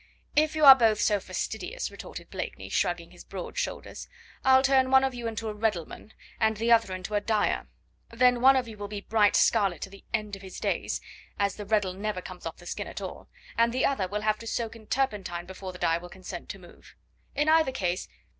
"If you are both so fastidious," retorted Blakeney, shrugging his broad shoulders, "I'll turn one of you into a reddleman, and the other into a dyer. Then one of you will be bright scarlet to the end of his days, as the reddle never comes off the skin at all, and the other will have to soak in turpentine before the dye will consent to move.... In either case...